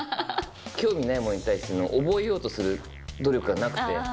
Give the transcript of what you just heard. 興味ないものに対しての覚えようとする努力がなくて。